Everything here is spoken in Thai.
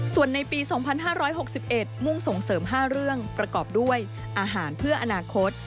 ส่วนในปี๒๕๖๑มุ่งส่งเสริม๕เรื่องประกอบด้วยอาหารเพื่ออนาคต